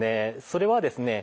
それはですね